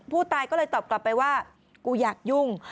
ผู้ตายก็เลยตอบกลับไปว่ากูอยากยุ่ง